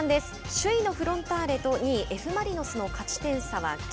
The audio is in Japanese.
首位のフロンターレと２位Ｆ・マリノスの勝ち点差は９。